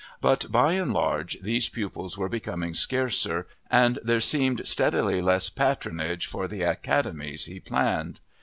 But, by and large, these pupils were becoming scarcer and there seemed steadily less patronage for the academies he planned.